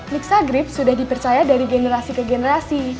mixagrip sudah dipercaya dari generasi ke generasi